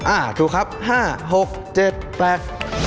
อ่าถูกครับห้าหกเจ็บแปด